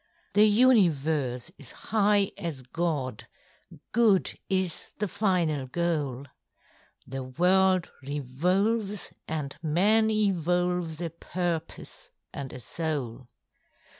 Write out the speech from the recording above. ŌĆØ The universe is high as God! Good is the final goal; The world revolves and man evolves A purpose and a soul.